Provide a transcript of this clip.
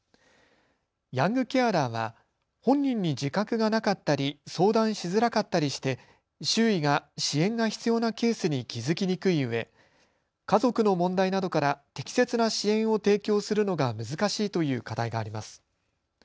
ヤングケアラーは本人に自覚がなかったり、相談しづらかったりして周囲が支援が必要なケースに気付きにくいうえ家族の問題などから適切な支援を提供するのが難しいという課題があります。